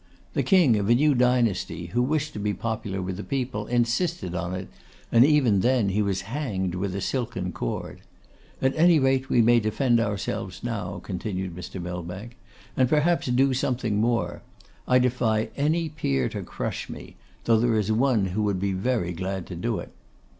The king of a new dynasty, who wished to be popular with the people, insisted on it, and even then he was hanged with a silken cord. At any rate we may defend ourselves now,' continued Mr. Millbank, 'and, perhaps, do something more. I defy any peer to crush me, though there is one who would be very glad to do it.